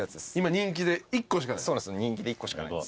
人気で１個しかない。